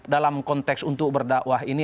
dalam konteks untuk berdakwah ini